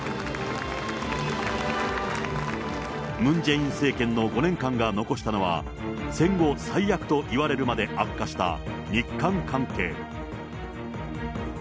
ムン・ジェイン政権の５年間が残したのは、戦後最悪といわれるまで悪化した日韓関係。